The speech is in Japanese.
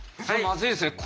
まずいですね。